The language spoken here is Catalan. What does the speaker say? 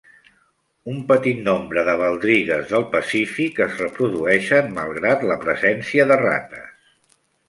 Un petit nombre de baldrigues del Pacífic es reprodueixen malgrat la presència de rates.